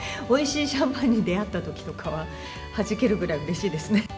おいしいシャンパンに出会ったときとかは、はじけるぐらいうれしいですね。